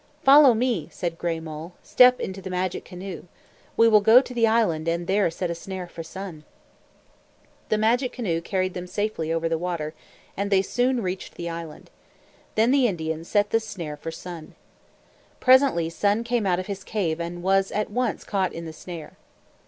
"Follow me," said Gray Mole. "Step into the magic canoe. We will go to the island and there set a snare for Sun." The magic canoe carried them safely over the water, and they soon reached the island. Then the Indian set the snare for Sun. Presently Sun came out of his cave and was at once caught in the snare.